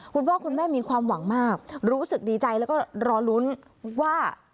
คุณพ่อคุณแม่มีความหวังมากรู้สึกดีใจแล้วก็รอลุ้นว่า